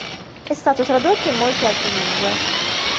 È stato tradotto in molte altre lingue.